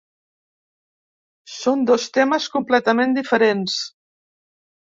Són dos temes completament diferents.